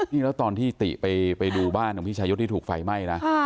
นี่แล้วตอนที่ติไปดูบ้านของพี่ชายศที่ถูกไฟไหม้นะ